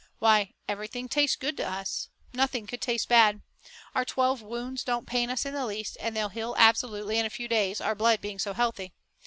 Why, everything tastes good to us. Nothing could taste bad. Our twelve wounds don't pain us in the least, and they'll heal absolutely in a few days, our blood being so healthy.